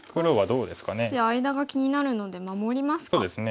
少し間が気になるので守りますか。